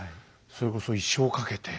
それこそ一生をかけて。